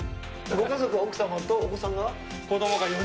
ご家族は奥様と、お子さんが？